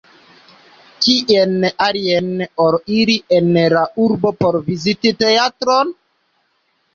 Kien alien ol iri en la urbon por viziti teatron?